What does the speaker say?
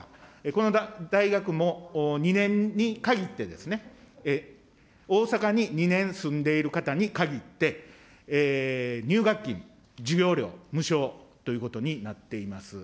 この大学も２年に限ってですね、大阪に２年住んでいる方にかぎって入学金、授業料、無償ということになっています。